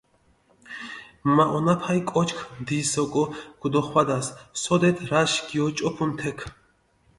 მჷმაჸონაფალი კოჩქ ნდის ოკო ქჷდოხვადას, სოდეთ რაში გიოჭოფუნ თექ.